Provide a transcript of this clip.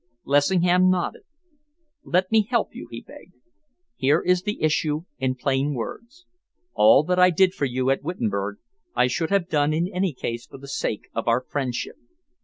Lessingham nodded. "Let me help you," he begged. "Here is the issue in plain words. All that I did for you at Wittenberg, I should have done in any case for the sake of our friendship.